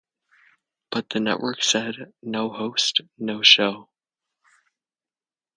But the network said 'No host, no show'.